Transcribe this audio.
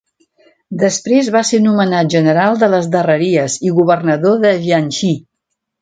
Després va ser nomenat General de les Darreries i Governador de Jiangxi.